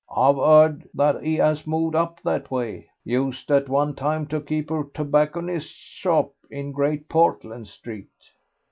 I've heard that he 'as moved up that way. Used at one time to keep a tobacconist's shop in Great Portland Street."